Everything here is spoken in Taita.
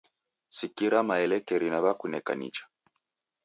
Sikira maelekeri naw'ekuneka nicha